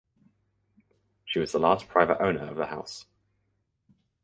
She was the last private owner of the house.